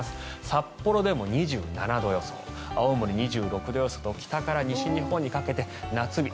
札幌でも２７度予想青森、２６度予想と北から西日本にかけて夏日。